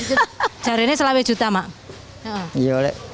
sekarang selama juta ma'yye